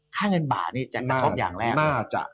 ค่าเงินบาทจะครบอย่างแรก